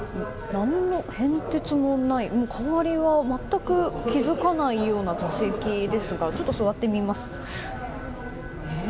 何の変哲もない変わりには全く気付かないような座席ですがちょっと座ってみます。